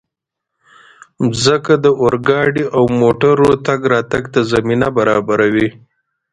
مځکه د اورګاډي او موټرو تګ راتګ ته زمینه برابروي.